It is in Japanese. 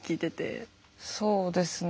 そうですね。